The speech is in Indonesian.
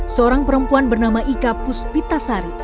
seorang perempuan bernama ika puspitasari